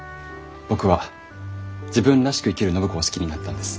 僕は自分らしく生きる暢子を好きになったんです。